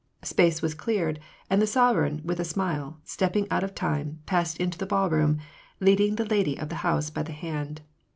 Space was cleared; and the sovereign, with a smile, stepping out of time, passed into the ballroom, leading the lady of the house by the hand.